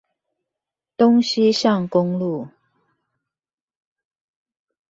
東西向公路